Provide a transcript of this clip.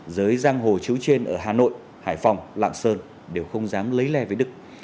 giới giang hồ chiếu trên ở hà nội hải phòng lạng sơn đều không dám lấy le với đức